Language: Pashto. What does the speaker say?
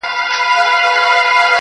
چيري ئې وهم، چيري ئې ږغ وزي.